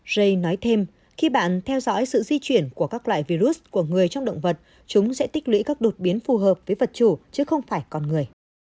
j nói thêm khi bạn theo dõi sự di chuyển của các loại virus của người trong động vật chúng sẽ tích lũy các đột biến phù hợp với vật chủ chứ không phải con người